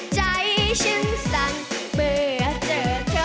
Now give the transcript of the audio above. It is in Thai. ใจฉันสั่นเมื่อเจอเธอ